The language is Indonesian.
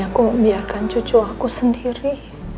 aku biarkan cucu aku sendiri